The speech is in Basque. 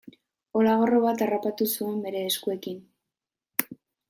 Olagarro bat harrapatu zuen bere eskuekin.